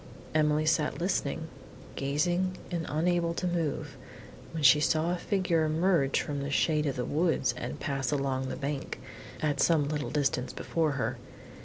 Emily sat listening, gazing and unable to move, when she saw a figure emerge from the shade of the woods and pass along the bank, at some little distance before her.